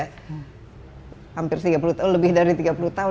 hampir tiga puluh tahun lebih dari tiga puluh tahun